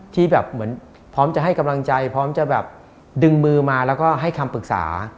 ที่แบบเหมือนพร้อมจะให้กำลังใจพร้อมจะแบบดึงมือมาแล้วก็ให้คำปรึกษา